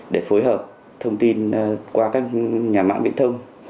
để phối hợp thông tin qua các nhà mạng viễn thông